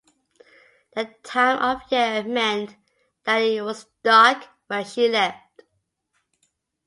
The time of year meant that it was dark when she left.